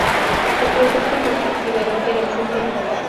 El producto más cultivado era el centeno.